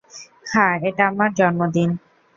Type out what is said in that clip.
খা, এটা আমার জন্মদিন।